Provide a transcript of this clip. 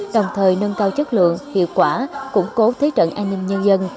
đồng thời nâng cao chất lượng hiệu quả củng cố thế trận an ninh nhân dân